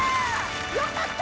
よかった！